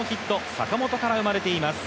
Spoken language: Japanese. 坂本から生まれています。